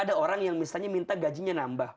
ada orang yang misalnya minta gajinya nambah